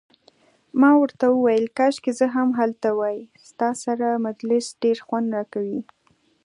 ما ورته وویل: کاشکي زه هم هلته وای، ستا سره مجلس ډیر خوند راکوي.